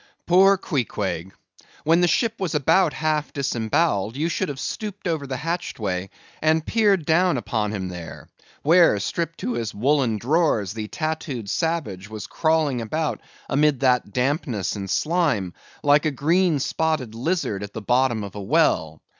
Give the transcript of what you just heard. Poor Queequeg! when the ship was about half disembowelled, you should have stooped over the hatchway, and peered down upon him there; where, stripped to his woollen drawers, the tattooed savage was crawling about amid that dampness and slime, like a green spotted lizard at the bottom of a well.